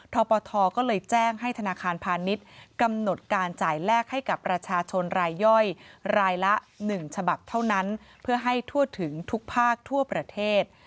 ทปทก็เลยแจ้งให้ธนาคารพาณิชย์กำหนดการจ่ายแลกให้กับประชาชนรายย่อยรายละ๑ฉบับเท่านั้นเพื่อให้ทั่วถึงทุกภาคทั่วประเทศ